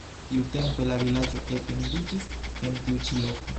Tiutempe la vilaĝo etendiĝis en tiu ĉi loko.